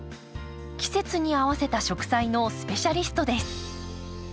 季節に合わせた植栽のスペシャリストです。